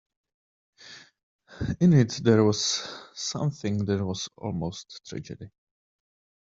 In it there was something that was almost tragedy.